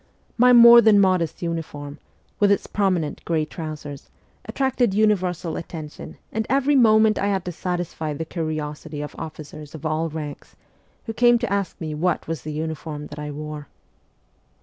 My more than modest uniform, with its prominent grey trousers, attracted universal attention, and every moment I had to satisfy the curiosity of officers of all ranks, who came to ask me what was the uniform that I wore.